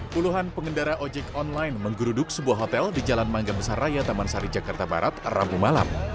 puluhan pengendara ojek online menggeruduk sebuah hotel di jalan mangga besar raya taman sari jakarta barat rabu malam